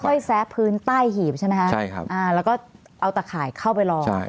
ค่อยแซ๊พื้นใต้หีบใช่ไหมครับแล้วก็เอาตะข่ายเข้าไปรอ